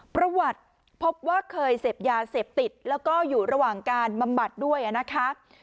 ประวัติพบว่าเคยเสพยาเสพติดแล้วก็อยู่ระหว่างการบำบัดด้วยนะคะ